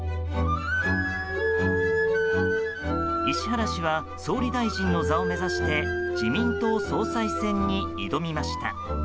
石原氏は総理大臣の座を目指して自民党総裁選に挑みました。